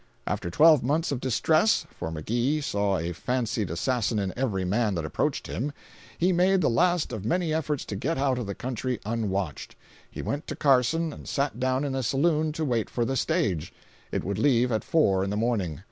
After twelve months of distress (for McGee saw a fancied assassin in every man that approached him), he made the last of many efforts to get out of the country unwatched. He went to Carson and sat down in a saloon to wait for the stage—it would leave at four in the morning.